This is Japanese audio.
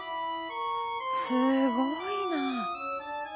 すごいな。